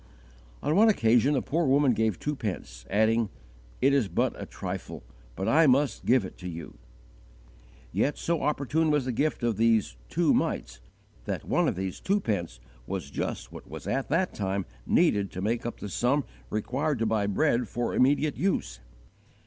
On one occasion a poor woman gave two pence, adding, "It is but a trifle, but I must give it to you." Yet so opportune was the gift of these 'two mites' that one of these two pence was just what was at that time needed to make up the sum required to buy bread for immediate use.